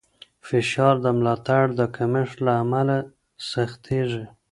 فشار د ملاتړ د کمښت له امله سختېږي.